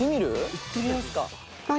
行ってみますか。